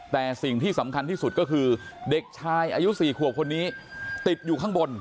แต่สิ่งที่สำคัญที่สุดก็คือเด็กชายอายุ๔ขวบคนนี้ติดอยู่ข้างบน